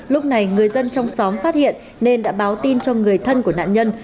lúc này người dân trong xóm phát hiện nên đã báo tin cho người thân của nạn nhân